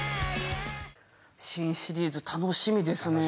新シリーズ楽しみですね。